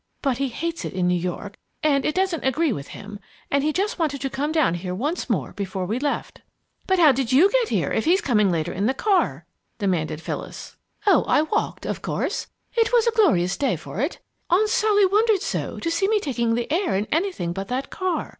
But he hates it in New York and it doesn't agree with him, and he just wanted to come down here once more before we left." "But how did you get here, if he's coming later in the car?" demanded Phyllis. "Oh, I walked, of course! It was a glorious day for it. Aunt Sally wondered so, to see me taking the air in anything but that car!